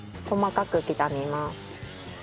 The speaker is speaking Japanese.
細かく刻みます。